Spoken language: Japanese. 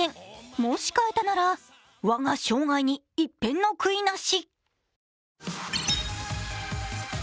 もし買えたなら、我が生涯に一片の悔いなし。